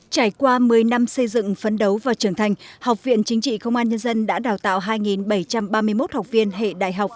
trải qua một mươi năm xây dựng phấn đấu và trưởng thành học viện chính trị công an nhân dân đã đào tạo hai bảy trăm ba mươi một học viên hệ đại học